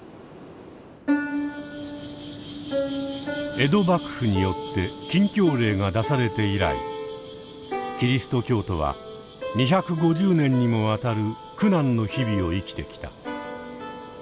江戸幕府によって禁教令が出されて以来キリスト教徒は２５０年にもわたる苦難の日々を生きてきた。